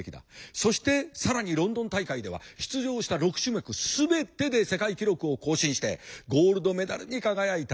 そして更にロンドン大会では出場した６種目全てで世界記録を更新してゴールドメダルに輝いた。